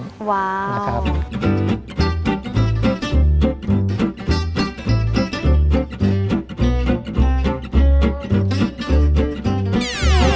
ว้าวมาครับว้าว